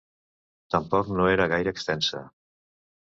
Tampoc no era gaire extensa.